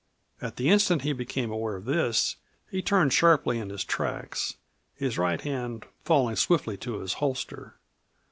At the instant he became aware of this he turned sharply in his tracks, his right hand falling swiftly to his holster.